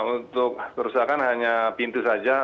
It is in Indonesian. untuk kerusakan hanya pintu saja